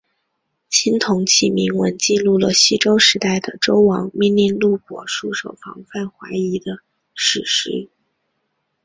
青铜器铭文记录了西周时代的周王命令录伯戍守防范淮夷的史实。